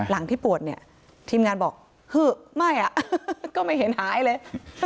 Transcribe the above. หลังที่ปวดเนี่ยทีมงานบอกฮือไม่ก็ไม่เห็นหายเลย